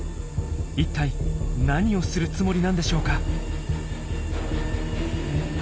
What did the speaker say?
一体何をするつもりなんでしょうか？